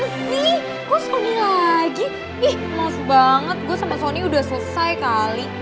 ih kok sony lagi ih maus banget gue sama sony udah selesai kali